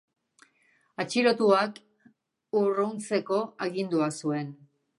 Atxilotuak urruntzeko agindua zuen.